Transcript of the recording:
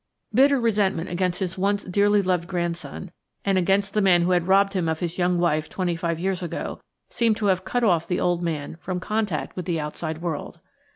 Bitter resentment against his once dearly loved grandson, and against the man who had robbed him of his young wife twenty five years ago, seemed to have cut off the old man from contact with the outside world.